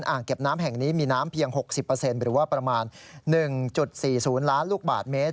อ่างเก็บน้ำแห่งนี้มีน้ำเพียง๖๐หรือว่าประมาณ๑๔๐ล้านลูกบาทเมตร